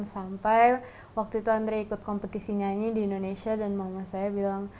sampai waktu itu andre ikut kompetisi nyanyi di indonesia dan mama saya bilang